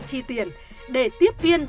chi tiền để tiếp viên